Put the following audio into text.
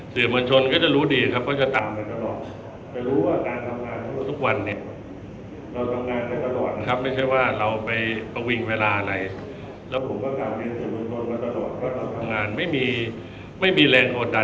เสียบัญชนก็จะรู้ดีครับเพราะจะตามกันตลอด